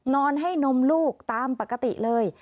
นอนให้นมลูกตามปกติเลย